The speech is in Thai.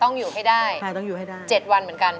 ต้องอยู่ให้ได้๗วันเหมือนกัน